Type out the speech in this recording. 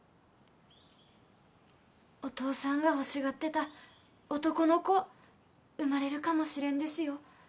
お父さんが欲しがってた男の子生まれるかもしれんですよ